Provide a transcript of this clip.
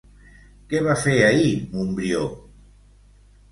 Què va fer ahir, Montbrió?